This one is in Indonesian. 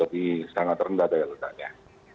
jadi sangat rendah daya ledaknya